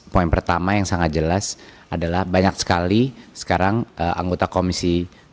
poin pertama yang sangat jelas adalah banyak sekali sekarang anggota komisi tiga